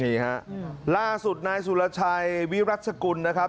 ฮะล่าสุดนายสุรชัยวิรัชกุลนะครับ